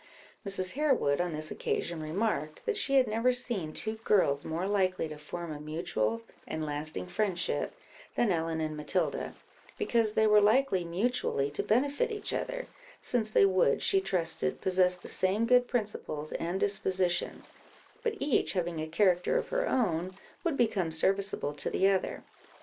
Mrs. Harewood on this occasion remarked, that she had never seen two girls more likely to form a mutual and lasting friendship than Ellen and Matilda, because they were likely mutually to benefit each other, since they would, she trusted, possess the same good principles and dispositions, but each having a character of her own, would become serviceable to the other.